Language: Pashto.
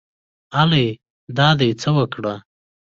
الۍ دا دې څه وکړه